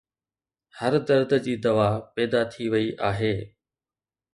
هر درد جي دوا پيدا ٿي وئي آهي